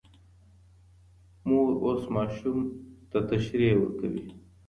مور اوس ماشوم ته تشریح ورکوي.